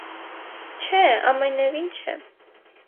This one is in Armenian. - Չէ՛, ամենևին չէ: